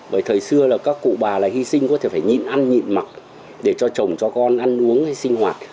bởi thời xưa là các cụ bà là hy sinh có thể phải nhịn ăn nhịn mặc để cho chồng cho con ăn uống hay sinh hoạt